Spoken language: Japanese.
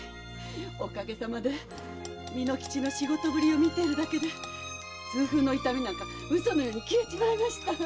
おかげさまで巳之吉の仕事ぶりを見ているだけで通風の痛みなんか嘘のように消えちまいました！